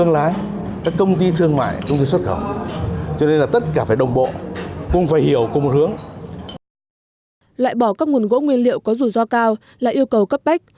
loại bỏ các nguồn gỗ nguyên liệu có rủi ro cao là yêu cầu cấp bách